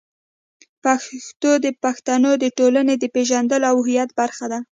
پښتو د پښتنو د ټولنې د پېژندلو او هویت برخه ده.